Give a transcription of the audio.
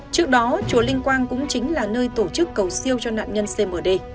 trước đó chùa linh quang cũng chính là nơi tổ chức cầu siêu cho nạn nhân cmd